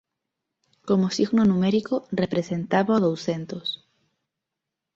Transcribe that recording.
Como signo numérico representaba o douscentos.